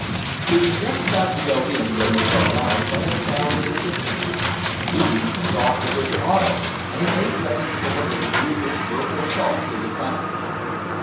She was just about to go in when they were aroused by a sound in the distance. Pee wee thought it was an auto and he made ready to deliver his usual verbal assault to the travelers.